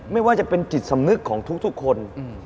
ไม่ว่าจะเป็นจิตสำนึกของทุกคน